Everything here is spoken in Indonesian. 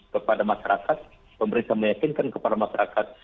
kepada masyarakat pemerintah meyakinkan kepada masyarakat